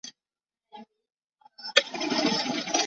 主要岛屿为萨拉米斯岛。